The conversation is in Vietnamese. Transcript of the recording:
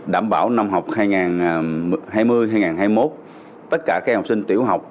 đảm bảo năm học hai nghìn hai mươi hai nghìn hai mươi một tất cả các học sinh tiểu học